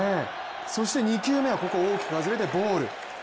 そして２球目は大きく外れてボール。